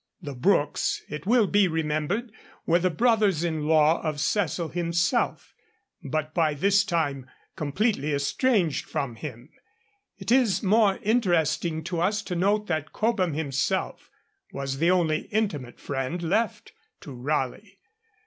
The Brookes, it will be remembered, were the brothers in law of Cecil himself, but by this time completely estranged from him. It is more interesting to us to note that Cobham himself was the only intimate friend left to Raleigh.